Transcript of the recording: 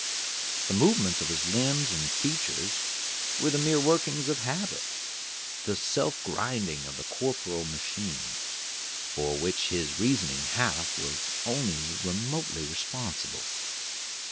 The movements of his limbs and features were the mere workings of habit the self grinding of the corporeal machine for which his reasoning half was only remotely responsible.